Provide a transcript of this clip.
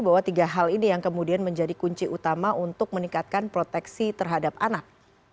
bahwa tiga hal ini yang kemudian menjadi kunci utama untuk meningkatkan proteksi terhadap anak